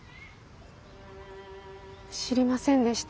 知りませんでした。